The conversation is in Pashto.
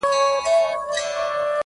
o چي خداى ئې ورکوي، بټل ئې يار دئ!